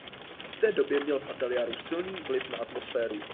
V té době měl v ateliéru silný vliv na atmosféru.